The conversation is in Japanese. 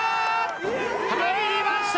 入りました！